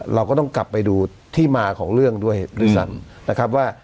เราก็ต้องกลับไปดูที่มาของเรื่องด้วยด้วยกันนะครับว่า